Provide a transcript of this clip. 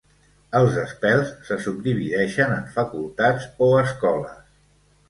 Els "spells" se subdivideixen en facultats o escoles.